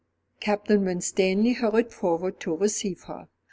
Captain Winstanley hurried forward to receive her.